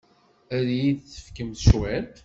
Ad iyi-d-tefkemt cwiṭ?